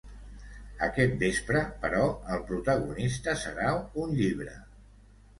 Aquest vespre, però, el protagonista serà un llibre.